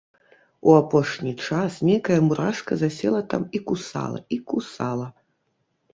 У апошні час нейкая мурашка засела там і кусала, і кусала.